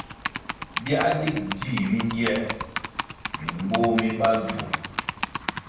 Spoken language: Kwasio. Biā dig dzih bingiē mimboh mi bal bvu.